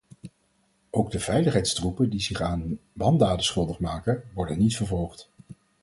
Ook de veiligheidstroepen die zich aan wandaden schuldig maken, worden niet vervolgd.